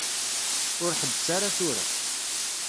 Ur ḥebbes ara tura.